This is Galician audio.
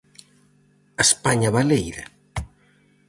A España baleira?